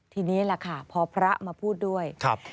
ทีนี้แหละค่ะพอพระมาพูดด้วย